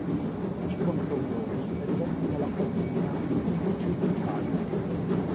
I controllori rivestono la qualifica di pubblici ufficiali.